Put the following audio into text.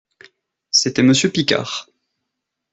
C'était monsieur Picard.